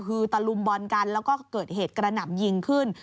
คือตะลุมบอลกันแล้วก็เกิดเหตุกระหน่ำยิงขึ้น